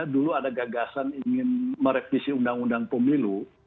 dulu ada gagasan ingin merevisi undang undang pemilu